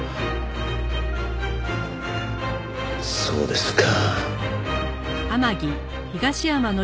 そうですか。